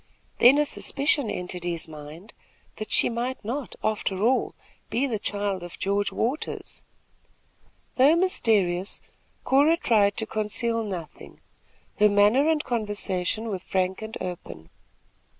Then a suspicion entered his mind, that she might not after all be the child of George Waters. Though mysterious, Cora tried to conceal nothing; her manner and conversation were frank and open.